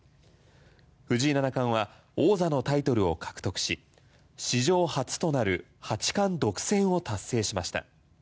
藤井七冠は王座のタイトルを獲得し史上初となる八冠独占を達成しました。